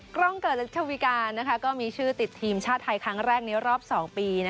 กล้องเกิดรัฐวิกาก็มีชื่อติดทีมชาติไทยครั้งแรกในรอบ๒ปี